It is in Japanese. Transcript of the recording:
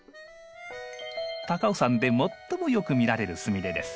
高尾山で最もよく見られるスミレです。